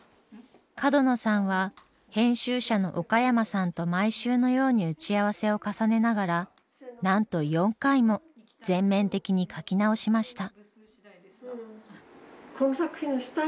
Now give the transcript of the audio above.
角野さんは編集者の岡山さんと毎週のように打ち合わせを重ねながらなんと４回も全面的に書き直しました。